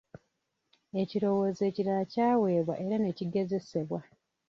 Ekirowoozo ekirala kyaweebwa era ne kigezesebwa.